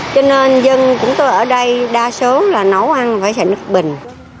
cho nên dân của tôi ở đây đa số là nấu ăn phải xịt nước bình